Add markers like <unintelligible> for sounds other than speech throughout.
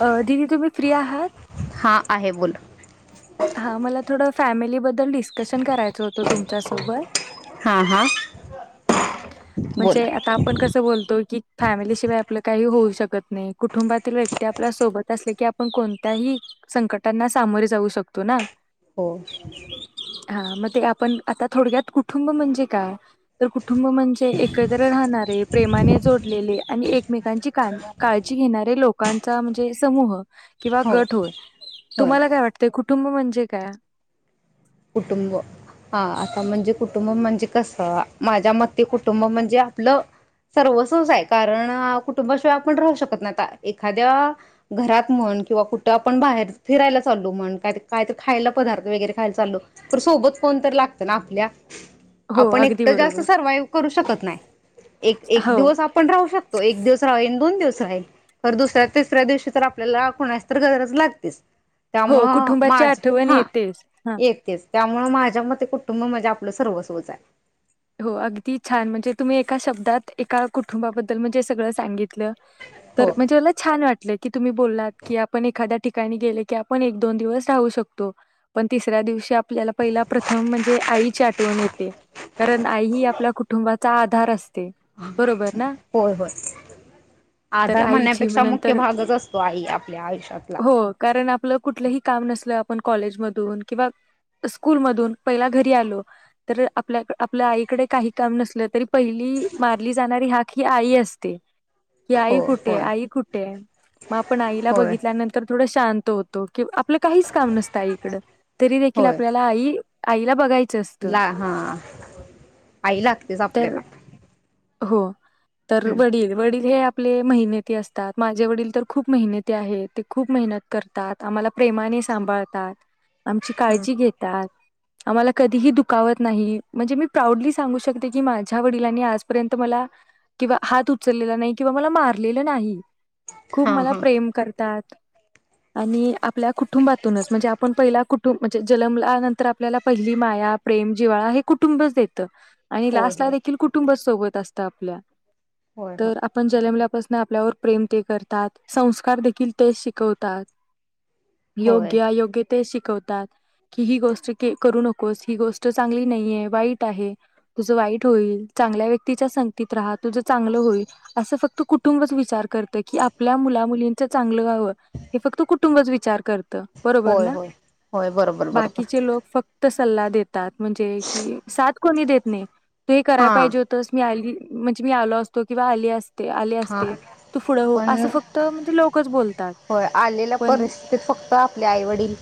अ दिदी तुम्ही फ्री आहात. हा आहे बोल हा मला थोडं फॅमिली बद्दल डीस्कशन करायच होत तुमच्यासोबत हा हा. म्हणजे बोला आता आपण कसं बोलतोय की - - फॅमिलीशिवाय आपलं काही होऊ शकत नाही. कुटुंबातील व्यक्ती आपल्या सोबत असले की, आपण कोणत्याही संकटांना सामोरे जाऊ शकतो ना हो. हा मग आपण आता थोडक्यात कुटुंब म्हणजे काय? तर कु कुटुंब म्हणजे एकत्र राहणारे, प्रेमाने जोडलेले आणि एकमेकांची का काळजी घेणारे लोकांचा म्हणजे समूह, किंवा गट होय, होय तुम्हाला काय वाटतय कु कुटुंब म्हणजे काय? कुटुंब हा आता म्हणजे कुटुंब म्हणजे कसं माझ्या मते, कुटुंब म्हणजे आपलं सर्वस्वचं हाय. कारण कुटुंबाशिवाय आपण राहू शकत नाही. आता एखाद्या घरात म्हण किंवा कुठं आपण बाहेर फिरायला चालो म्हण काय काय तर खायला पदार्थ वगैरे खायला चालो तर सोबत कोण तर लागतं ना आपल्या हो आपण अगदी एकट जास्त बरोबर. सर्वाइव करू शकत नाही. एक हो दिवस आपण राहू शकतो. एक दिवस राहिन दोन दिवस - - दुसऱ्या, तिसऱ्या दिवशी तर आपल्याला कोणाची तरी गरज लागतेच. हो, त्यामुळं कुटुंबाची आठवण येतेच. हा. त्यामुळे माझ्या मते कुटुंब म्हणजे आपलं सर्वस्वच हाय. हो, अगदी छान म्हणजे तुम्ही एका शब्दात एका कुटुंबाबद्दल म्हणजे सगळं सांगित तलं तर हो मला छान वाटल की तुम्ही बोललात की, आपण एखाद्या ठिकाणी गेले की आपण एक दोन दिवस राहू शकतो. पण तिसऱ्या दिवशी आपल्याला पहिला प्रथम म्हणजे आईची आठवण येते. कारण आई हि आपल्या कुटुंबात चा आधार असत होय होय तर आधार आईची मग म्हणण्यापेक्षा मुख्य नंतर भागच असतो. आई आपल्या आयुष्यातला. हो कारण आपलं कुठलंही काम नसलं, आपण कॉलेजमधून किंवा स्कूलमधून पहिला घरी आलो तर आपल्याक आपल्या आईकडे काही काम नसलं तरी पहिली मारली जाणारी हाक हि आई असते. कि आई हो कुठे होय. आई कुठे मग आपण आईला होय बघितल्यानंतर थोडं शांत त होतो. कि आपलं काहीच काम नसतं आईकड तरी देखील होय आपल्याला आई आईला बघाय ला हा आई लागतेच तर आपल्याला. हो. तर हम्म वडील वडील हे आपले मेहनती असतात माझे वडील तर खूप मेहनती आहेत ते खूप मेहनत करतात आम्हाला प्रेमाने सांभाळतात आमची काळजी घेतात. आम्हाला कधीही दुखावत नाही. म्हणजे मी प्राऊडली सांगू शकते की माझ्या वडिलांनी आजपर्यंत मला किंवा हात उचललेला नाही किंवा मला मारलेलं नाही खूप हा मला हा प्रेम करतात. आणि आपल्या कुठ कुटुंबातूनच म्हणजे आपण पहिला तू म्हणजे जलमल्या नंतर आपल्याला पहिली माया प्रेम जिवाळा हे कुटुंबच देत. आणि होय लास्ट ला होय देखील कुटुंब सोबत असत आपल्या. होय होय तर आपण जलमल्या पस आपल्यावर प्रेम ते करतात संस्कार देखील तेच शिकवतात. होय. योग्य योग्य ते शिक शिकवतात. की ही गोष्ट करू नको. कोस ही गोष्ट चांगली नाहीये. वाईट आहे तुज वाईट होईल चांगल्या व्यक्तीच्या संगतीत रहा तुझ चांगलं होईल अस फक्त कुटुंबच विचार करत की आपल्या मुला मुलीं चांगलं गावं हे फक्त कुटुंच विचार करत बरोबर होय ना होय होय बरोबर बरोबर बाकीचे लोक फक्त सल्ला देतात म्हणजे कि साथ कोणी देत नाही. तू हे कराय हां पाहिजे होतस मी आली म्हणजे मी आलो असतो किंवा आली अस ते आले हां असते तू पुढं हो पण असं फक्त म्हणजे लोकच बोलतात. होय. आलेल्या पण परिस्थितीत फक्त आपल्या आईवडील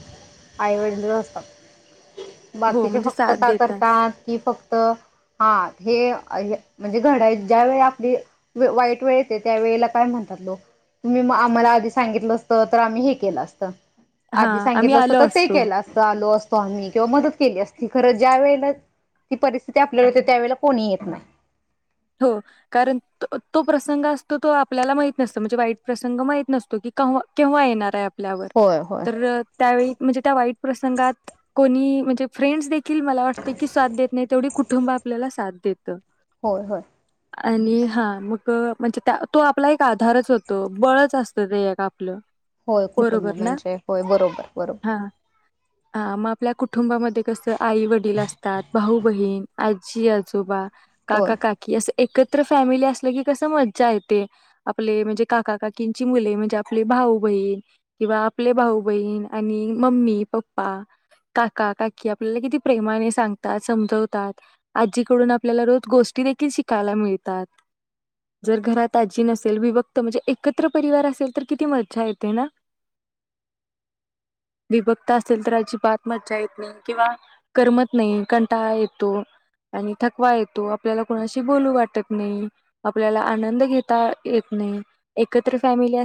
आईवडील - - <unintelligible> हो बाकीचे म्हणजे फक्त साथ का देतात करतात कि फक्त हा हे - - आई म्हणजे घड ज्या वेळी आपली वाईट वेळ येते त्या वेळेला काय म्हणतात लोक तुम्ही आम्हाला आधी - - सांगितलं असत तर आम्ही हे केलं असत. हा आधी आम्ही सांगितलं असतं आलो तर ते असतो केलं असं आलो अस. म्ही किंवा मदत केली असती खरं ज्या वेळेला ती परिस्थिती आपल्याला होते त्या वेळेला कोणी येत नाही. हो कारण तो प्रसंग असतो तो आपल्याला माहित नसतो म्हणजे वाईट प्रसंग माहत नसतो की केव्हा येणार आहे. ल्यावर होय होय तर त्यावेळी म्हणजे त्या वाईट प्रसंगात कोणी म्हणजे फ्रेंड. ख मला वाटतं की साथ देत नाही तेवढी कुटुंब आपल्याला साथ देत. तर हो हो. आणि हा मग म्हणजे त्या तो आपला एक आधारच होतो बळच असतं ते एक आपलं. होय कुटुंब बरोबर ना म्हणजे होय बरोबर बरोबर. ह मग आपल्या कुटुंबामध्ये कस आई वडील असतात भाऊ, बहीण, आजी, आजोबा काका होय. काकी. एकत्र फॅमिली असलं की कस मज्जा येते आपले म्हणजे काका काकींची मुले म्हणजे आपले भाऊ बहीण किंवा आपले भाऊ बहीण आणि मम्मी पप्पा काका काकी आपल्याला किती प्रेमाने सांगतात समजवतात आजीकडून आपल्याला रोज गोष्टी शिकायला मिळतात जर घरात आजी नसेल विभक्त म्हणजे एकत्र परिवार असेल तर किती मज्जा येते ना विभक्त असेल तर अजिबात मज्जा येत नाही किंवा करमत नाही कंटाळा येतो आणि थकवा येतो आपल्याला कोणाशी बोलू वाटत नाही आपल्याला आनंद घेता येत नाही एकत्र फॅमिली अस.